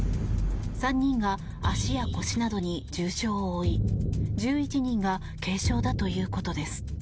３人が足や腰などに重傷を負い１１人が軽傷だということです。